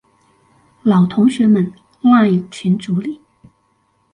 老同學們賴群組裡